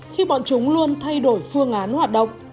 khi bọn chúng luôn thay đổi phương án hoạt động